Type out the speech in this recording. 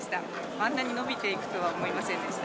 あんなに伸びていくとは思いませんでした。